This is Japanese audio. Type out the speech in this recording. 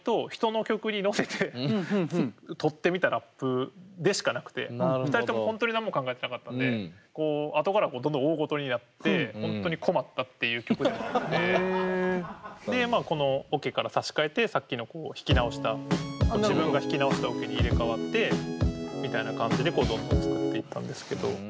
だからでしかなくて２人とも本当に何も考えてなかったんであとからどんどん大ごとになって本当に困ったっていう曲でもあってでこのオケから差し替えてさっきの弾き直した自分が弾き直したオケに入れ代わってみたいな感じでどんどん作っていったんですけど。